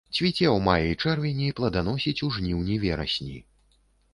Цвіце ў маі-чэрвені, пладаносіць у жніўні-верасні.